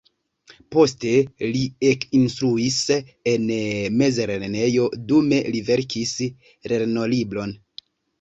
Poste li ekinstruis en mezlernejo, dume li verkis lernolibron.